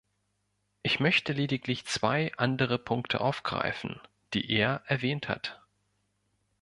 Ich möchte lediglich zwei andere Punkte aufgreifen, die er erwähnt hat.